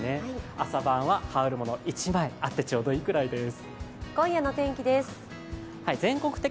朝晩は、羽織るもの１枚あってちょうどいいぐらいです。